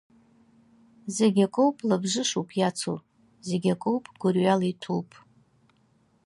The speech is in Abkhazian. Зегь акоуп лабжышуп иацу, зегь акоуп гәырҩала иҭәуп.